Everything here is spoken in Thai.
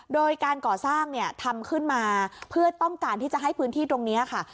โดยการก่อสร้างเนี่ยทำขึ้นมาเพื่อต้องการที่จะให้พื้นที่ตรงนี้ค่ะ